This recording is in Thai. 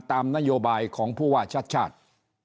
ตามนโยบายของผู้ว่าชาติชาติ